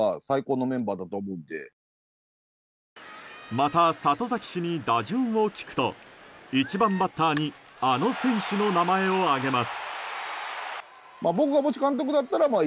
また、里崎氏に打順を聞くと１番バッターにあの選手の名前を挙げます。